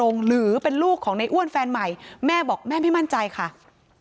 ทั้งครูก็มีค่าแรงรวมกันเดือนละประมาณ๗๐๐๐กว่าบาท